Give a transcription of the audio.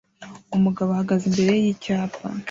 Umugabo ahagaze imbere yicyapa